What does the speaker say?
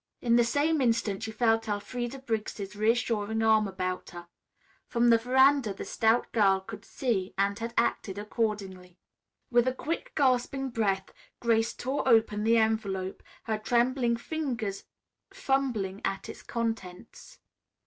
In the same instant she felt Elfreda Briggs' reassuring arm about her. From the veranda the stout girl "could see" and had acted accordingly. With a quick gasping breath Grace tore open the envelope, her trembling fingers fumbling at its contents.